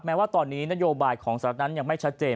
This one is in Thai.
แม้ว่าตอนนี้นโยบายของสหรัฐนั้นยังไม่ชัดเจน